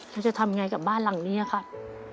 เราจะทำอย่างไรกับบ้านหลังนี้นะครับ